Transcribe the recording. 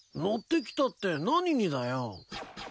乗ってきたって何にだよ？